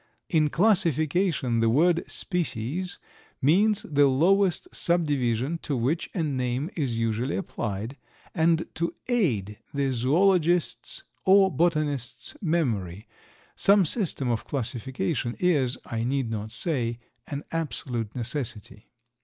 In classification, the word "species" means the lowest subdivision to which a name is usually applied, and to aid the zoologist's or botanist's memory, some system of classification is, I need not say, an absolute necessity.